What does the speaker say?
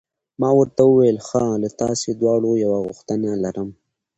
ما ورته وویل: ښه، له تاسي دواړو یوه غوښتنه لرم.